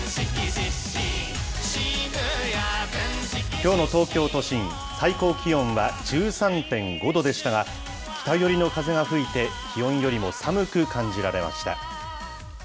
きょうの東京都心、最高気温は１３．５度でしたが、北寄りの風が吹いて、気温よりも寒く感じられました。